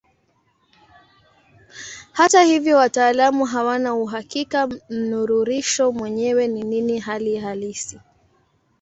Hata hivyo wataalamu hawana uhakika mnururisho mwenyewe ni nini hali halisi.